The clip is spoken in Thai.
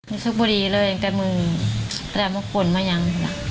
มีสุขบุรีเลยแต่มึงแรมบุคคลมายัง